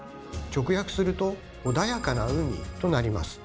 直訳すると「穏やかな海」となります。